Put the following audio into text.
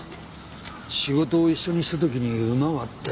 仕事を一緒にした時にウマが合って。